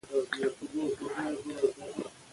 د ده په کلام کې پښتني فکر انځور شوی دی.